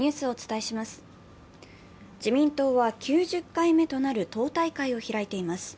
自民党は９０回目となる党大会を開いています。